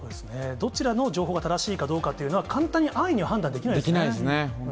どちらの情報が正しいかどうかというのは、簡単に安易には判断できないですね。